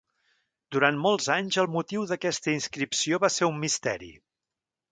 Durant molts anys el motiu d'aquesta inscripció va ser un misteri.